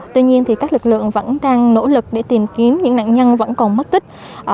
tuy nhiên các lực lượng vẫn đang nỗ lực để tìm kiếm những nạn nhân vẫn còn mất tích